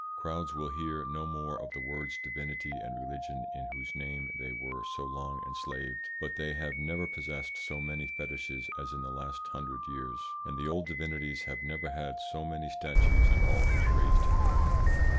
Crowds will hear no more of the words divinity and religion, in whose name they were so long enslaved; but they have never possessed so many fetishes as in the last hundred years, and the old divinities have never had so many statues and altars raised in their honour.